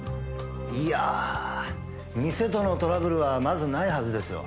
いや店とのトラブルはまずないはずですよ。